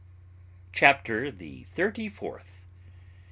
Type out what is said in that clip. CHAPTER THE THIRTY FOURTH.